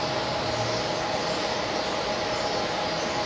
ต้องเติมเนี่ย